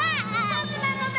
ぼくなのだ！